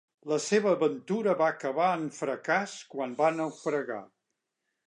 La seva aventura va acabar en fracàs quan va naufragar.